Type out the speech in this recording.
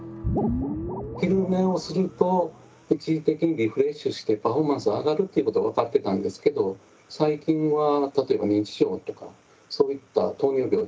昼寝をすると一時的にリフレッシュしてパフォーマンスが上がるということが分かってたんですけど最近は例えば認知症とかそういった糖尿病ですね